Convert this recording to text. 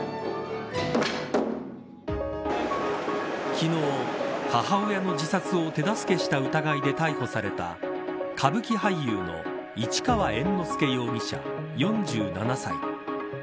昨日、母親の自殺を手助けした疑いで逮捕された歌舞伎俳優の市川猿之助容疑者４７歳。